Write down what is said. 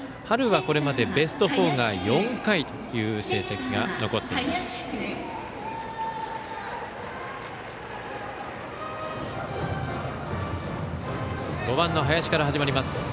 春はこれまでベスト４が４回という成績が残っています。